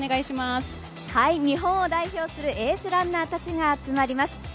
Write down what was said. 日本を代表するエースランナーたちが集まります